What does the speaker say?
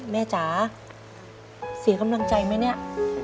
แม่จ๋าเสียคำด้วยใจไหมเนี่ย